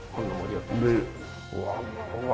うわうわうわ